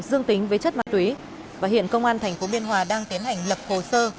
dương tính với chất ma túy và hiện công an tp biên hòa đang tiến hành lập hồ sơ